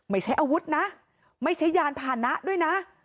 ไม่ใช่อาวุธนะไม่ใช่ยานผ่านนะด้วยนะ